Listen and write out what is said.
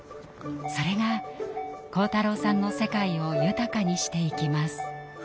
それが晃太郎さんの世界を豊かにしていきます。